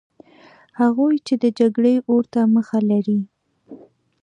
هغوی چې د جګړې اور ته مخه لري.